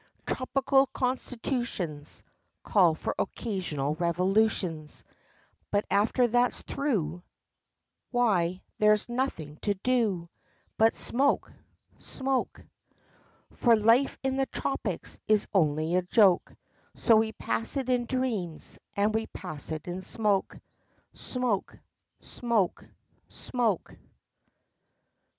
Tropical constitutions Call for occasional revolutions; But after that's through, Why there's nothing to do But smoke smoke; For life in the tropics is only a joke, So we pass it in dreams, and we pass it in smoke, Smoke smoke smoke.